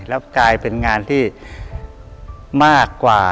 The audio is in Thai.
แล้วกลายเป็นงานที่มากกว่า